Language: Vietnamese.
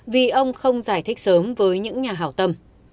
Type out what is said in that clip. vì ông không giải thích sớm với những nhà hảo tâm